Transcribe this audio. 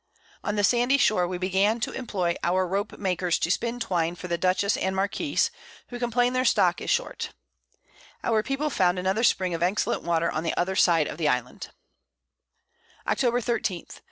On the sandy Shore we began to imploy our Rope makers to spin Twine for the Dutchess and Marquiss, who complain their Stock is short. Our people found another Spring of excellent Water on the other side of the Island. [Sidenote: At Anchor at St. Marias Islands.] _Octob.